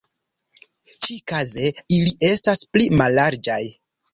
Ĉikaze, ili estas pli mallarĝaj.